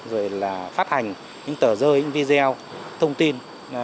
rồi là phát hành những tờ rơi những video thông tin